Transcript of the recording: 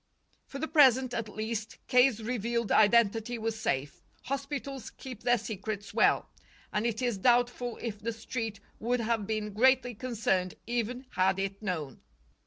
For the present, at least, K.'s revealed identity was safe. Hospitals keep their secrets well. And it is doubtful if the Street would have been greatly concerned even had it known.